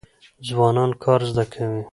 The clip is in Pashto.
ځوانان کار زده کوي.